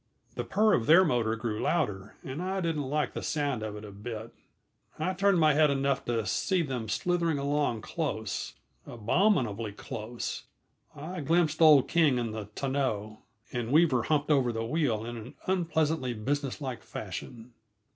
The purr of their motor grew louder, and I didn't like the sound of it a bit. I turned my head enough to see them slithering along close abominably close. I glimpsed old King in the tonneau, and Weaver humped over the wheel in an unpleasantly businesslike fashion.